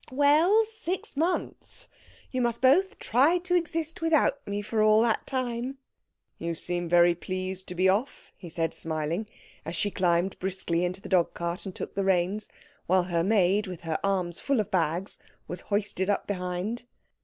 "Well, six months. You must both try to exist without me for that time." "You seem very pleased to be off," he said, smiling, as she climbed briskly into the dog cart and took the reins, while her maid, with her arms full of bags, was hoisted up behind.